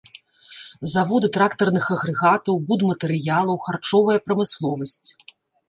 Заводы трактарных агрэгатаў, будматэрыялаў, харчовая прамысловасць.